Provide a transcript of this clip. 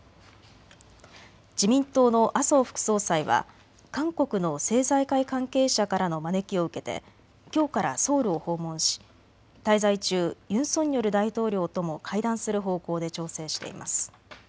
自民党の麻生副総裁は韓国の政財界関係者からの招きを受けてきょうからソウルを訪問し滞在中、ユン・ソンニョル大統領とも会談する方向で調整しています。